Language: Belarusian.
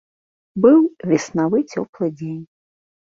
Быў веснавы цёплы дзень.